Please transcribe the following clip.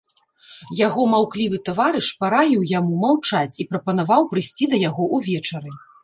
Яго маўклівы таварыш параіў яму маўчаць і прапанаваў прыйсці да яго ўвечары.